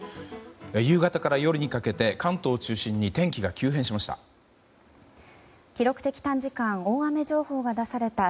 夕方から夜にかけて関東を中心に天気が急変しました。